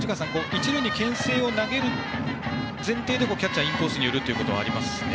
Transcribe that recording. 一塁にけん制を投げる前提でキャッチャーはインコースに寄るということはありますね。